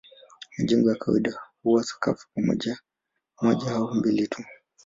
Majengo ya kawaida huwa sakafu moja au mbili tu.